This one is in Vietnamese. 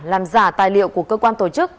làm giả tài liệu của cơ quan tổ chức